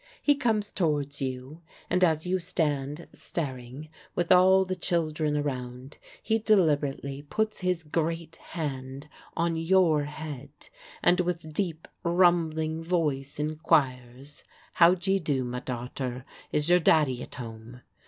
He comes towards you, and as you stand staring, with all the children around, he deliberately puts his great hand on your head, and, with deep, rumbling voice, inquires, "How d'ye do, my darter? is your daddy at home?"